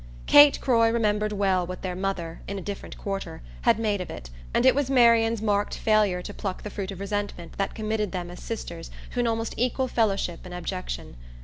Kate Croy remembered well what their mother, in a different quarter, had made of it; and it was Marian's marked failure to pluck the fruit of resentment that committed them as sisters to an almost equal fellowship in abjection.